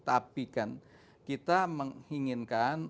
tapi kita menginginkan